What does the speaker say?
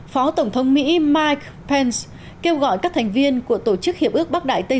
phó tổng thống mỹ mike pence kêu gọi các thành viên của tổ chức hiệp ước bắc đại tây